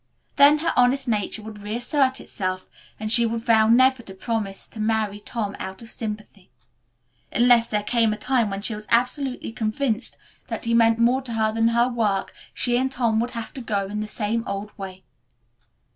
Then her honest nature would reassert itself and she would vow never to promise to marry Tom out of sympathy. Unless there came a time when she was absolutely convinced that he meant more to her than her work she and Tom would have to go on in the same old way.